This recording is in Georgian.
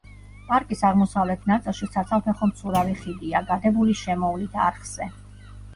პარკის აღმოსავლეთ ნაწილში, საცალფეხო მცურავი ხიდია გადებული შემოვლით არხზე.